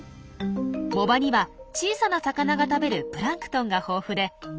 藻場には小さな魚が食べるプランクトンが豊富で生きものが集まります。